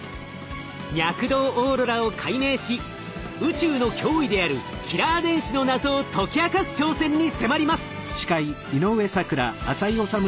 脈動オーロラを解明し宇宙の脅威であるキラー電子の謎を解き明かす挑戦に迫ります！